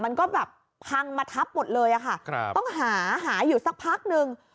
มันก็แบบพังมาทับหมดเลยอะค่ะต้องหาหาอยู่สักพักนึง